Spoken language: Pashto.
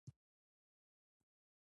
افغانستان د پکتیا له امله شهرت لري.